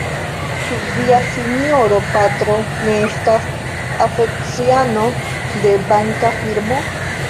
Ĉu via sinjoro patro ne estas asociano de banka firmo?